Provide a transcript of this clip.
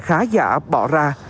để giá bỏ ra